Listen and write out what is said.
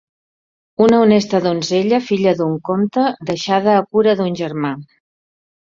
Una honesta donzella, filla d’un comte, deixada a cura d’un germà.